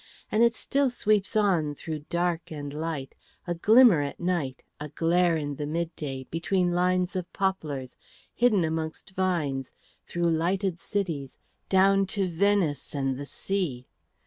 And it still sweeps on, through dark and light, a glimmer at night, a glare in the midday, between lines of poplars, hidden amongst vines, through lighted cities, down to Venice and the sea.